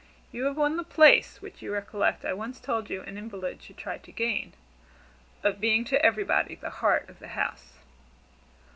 You have won the place, which, you recollect, I once told you an invalid should try to gain, of being to everybody 'The Heart of the House.'"